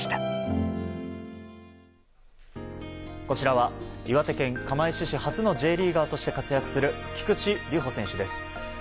こちらは岩手県釜石市初のＪリーガーとして活躍する菊池流帆選手です。